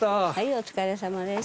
お疲れさまです。